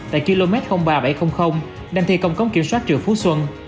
tại km ba nghìn bảy trăm linh đang thi công cống kiểm soát triều phú xuân